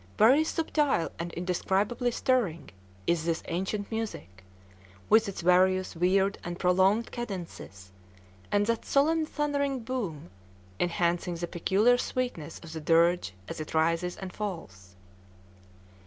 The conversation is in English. Very subtile, and indescribably stirring is this ancient music, with its various weird and prolonged cadences, and that solemn thundering boom enhancing the peculiar sweetness of the dirge as it rises and falls.